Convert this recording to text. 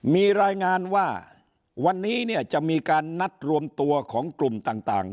มีรายงานว่าวันนี้เนี่ยจะมีการนัดรวมตัวของกลุ่มต่าง